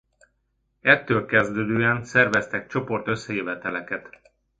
Ettől kezdődően szerveztek csoport összejöveteleket.